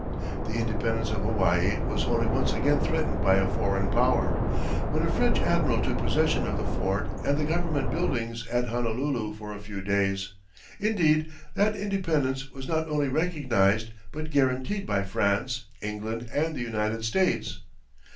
The independence of Hawaii was only once again threatened by a foreign power, when a French admiral took possession of the fort and the government buildings at Honolulu for a few days. Indeed, that independence was not only recognized but guaranteed by France, England and the United States.